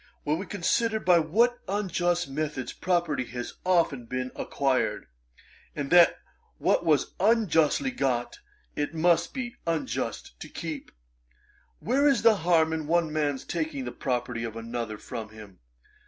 When we consider by what unjust methods property has been often acquired, and that what was unjustly got it must be unjust to keep, where is the harm in one man's taking the property of another from him?